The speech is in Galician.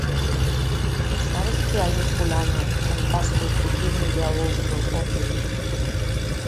Sabes que hai un fulano con cascos dicíndolle ao outro onde ir?